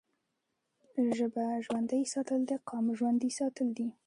ژبه ژوندی ساتل د قام ژوندی ساتل دي.